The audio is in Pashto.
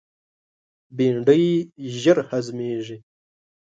بېنډۍ ژر هضمیږي